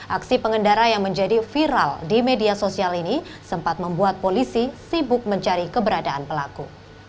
aksi pengendara yang menjadi viral di media sosial ini sempat membuat polisi sibuk mencari keberadaan pelaku